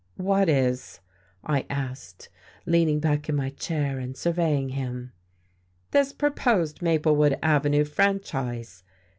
"What is?" I asked, leaning back in my chair and surveying him. "This proposed Maplewood Avenue Franchise.